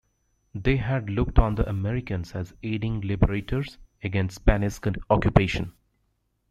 They had looked on the Americans as aiding liberators against Spanish occupation.